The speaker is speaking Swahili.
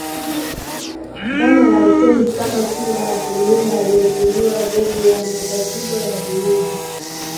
dhana ya utenzi kama kinga ya kumlinda anayetungiwa dhidi ya matatizo ya unyumba